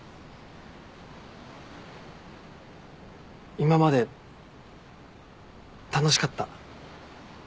今まで楽しかった。